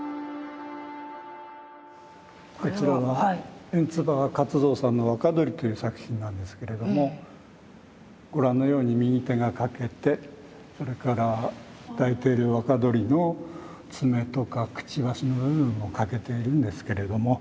こちらは圓鍔勝三さんの「わかどり」という作品なんですけれどもご覧のように右手が欠けてそれから抱いているわかどりの爪とかくちばしの部分も欠けているんですけれども。